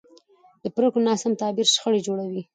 د پرېکړو ناسم تعبیر شخړې جوړوي